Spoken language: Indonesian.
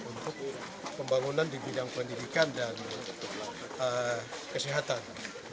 untuk pembangunan di bidang pendidikan dan kesehatan